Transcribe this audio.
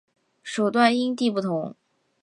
手段因地不同。